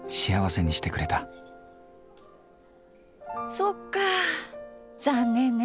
そっか残念ネ。